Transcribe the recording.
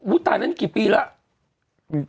อู่ตายหนึ่งกี่ปีและ